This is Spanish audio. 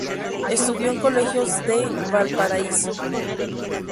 Estudió en Colegios de Valparaíso.